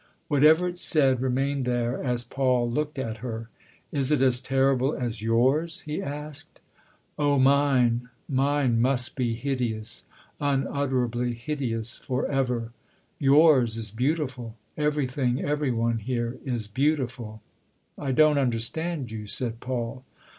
Whatever it said remained there as Paul looked at her. " Is it as terrible as yours ?" he asked. " Oh, mine mine must be hideous ; unutterably hideous forever ! Yours is beautiful. Everything, every one here is beautiful." "I don't understand you," said Paul.